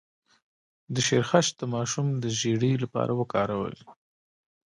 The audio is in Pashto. د شیرخشت د ماشوم د ژیړي لپاره وکاروئ